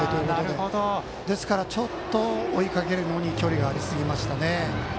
ですからちょっと追いかけるのに距離がありすぎましたね。